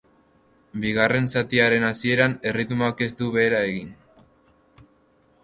Bigarren zatiaren hasieran erritmoak ez du behera egin.